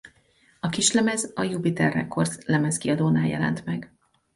A kislemez a Jupiter Records lemezkiadónál jelent meg.